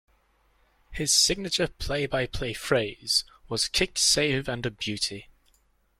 His signature play-by-play phrase was kick save and a beauty.